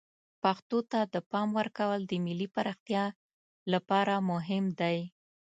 پښتو ته د پام ورکول د ملی پراختیا لپاره مهم دی.